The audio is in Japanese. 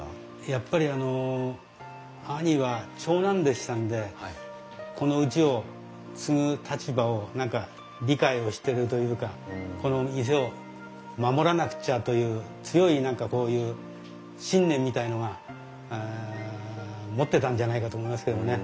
やっぱり兄は長男でしたんでこのうちを継ぐ立場を何か理解をしてるというかこの店を守らなくちゃという強い何かこういう信念みたいのが持ってたんじゃないかと思いますけどもね。